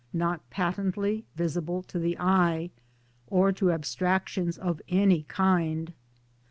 not patently visible to the eye, or to abstractions of any kind.